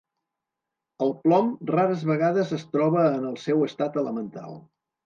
El plom rares vegades es troba en el seu estat elemental.